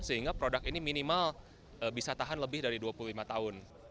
sehingga produk ini minimal bisa tahan lebih dari dua puluh lima tahun